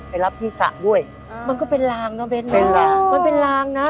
รับที่สระด้วยอ่ามันก็เป็นลางเนอะเบ้นนะเป็นลางมันเป็นลางนะ